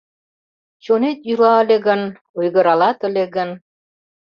Чонет йӱла ыле гын, ойгыралат ыле гын